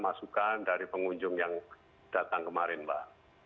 masukkan dari pengunjung yang datang kemarin pak